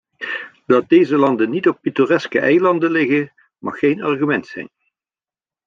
Dat deze landen niet op pittoreske eilanden liggen, mag geen argument zijn.